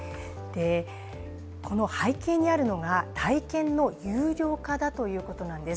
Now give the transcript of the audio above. この背景にあるのが体験の有料化だということなんです。